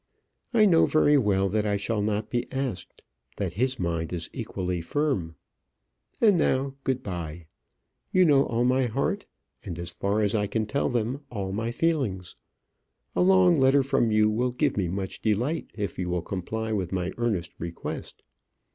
I know very well that I shall not be asked that his mind is equally firm. And now, good bye. You know all my heart, and, as far as I can tell them, all my feelings. A long letter from you will give me much delight if you will comply with my earnest request.